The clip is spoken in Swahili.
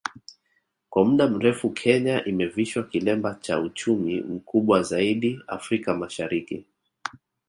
kwa muda mrefu Kenya imevishwa kilemba cha uchumi mkubwa zaidi Afrika Mashariki